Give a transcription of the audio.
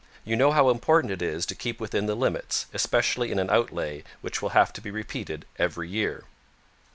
You know how important it is to keep within the limits, especially in an outlay which will have to be repeated every year.'